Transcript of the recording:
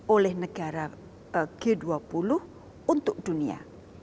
oleh negara g dua puluh untuk dunia